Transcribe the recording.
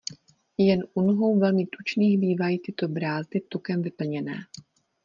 Jen u nohou velmi tučných bývají tyto brázdy tukem vyplněné.